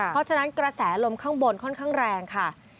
เพราะฉะนั้นกระแสลมข้างบนค่อนข้างแรงค่ะ